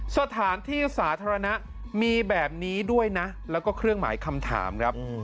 สถานที่สาธารณะมีแบบนี้ด้วยนะแล้วก็เครื่องหมายคำถามครับ